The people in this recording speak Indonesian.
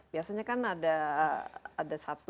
biasanya kan ada satu sponsor ya